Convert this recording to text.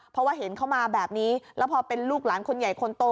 เพราะว่าเห็นเขามาแบบนี้แล้วพอเป็นลูกหลานคนใหญ่คนโต